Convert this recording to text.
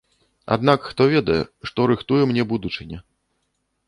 Аднак хто ведае, што рыхтуе мне будучыня?